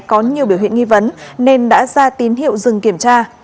có nhiều biểu hiện nghi vấn nên đã ra tín hiệu dừng kiểm tra